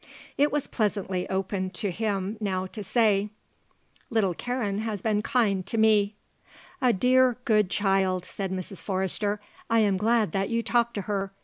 It was pleasantly open to him now to say: "Little Karen has been kind to me." "A dear, good child," said Mrs. Forrester. "I am glad that you talked to her.